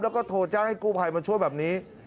แล้วก็โทรแจ้งให้กู้ภัยมาช่วยแบบนี้